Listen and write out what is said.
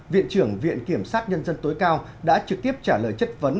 viện trưởng viện kiểm sát nhân dân tối cao đã trực tiếp trả lời chất vấn